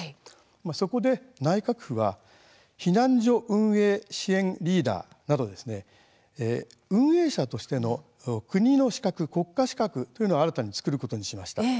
そこで、内閣府は避難所運営支援リーダーなど運営者としての国の資格国家資格というのを新たに作ることにしました。